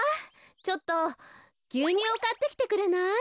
ちょっとぎゅうにゅうをかってきてくれない？